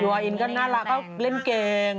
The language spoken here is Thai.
ยูอาร์อินก็น่ารักเขาเล่นแกง